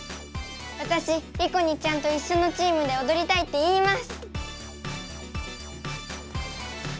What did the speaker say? わたしリコにちゃんといっしょのチームでおどりたいって言います！